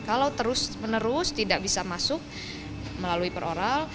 kalau terus menerus tidak bisa masuk melalui peroral